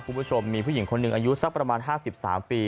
คุณผู้ชมมีผู้หญิงคนหนึ่งอายุสักประมาณ๕๓ปี